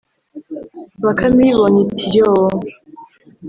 Bakame iyibonye iti “Yoo